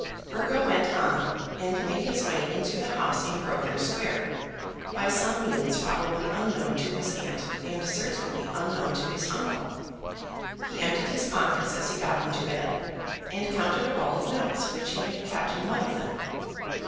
Burgo went on, and made his way into the house in Grosvenor Square, by some means probably unknown to his aunt, and certainly unknown to his uncle. He emptied his pockets as he got into bed, and counted a roll of notes which he had kept in one of them.